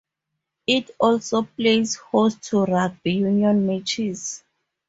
It also plays host to rugby union matches.